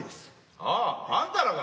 あああんたらが。